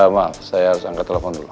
sama saya harus angkat telepon dulu